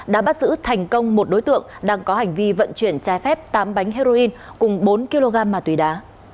đã bắt giữ thành công một đối tượng đang có hành vi vận chuyển trái phép tám bánh heroin cùng bốn kg ma túy đá